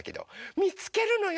みつけるのよ！